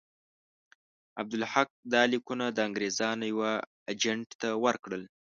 عبدالحق دا لیکونه د انګرېزانو یوه اجنټ ته ورکړل.